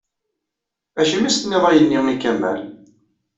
Acimi i as-tenniḍ ayenni i Kamal?